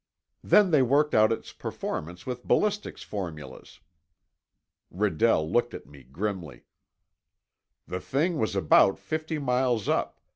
Then they worked out its performance with ballistics formulas." Redell looked at me grimly. "The thing was about fifty miles up.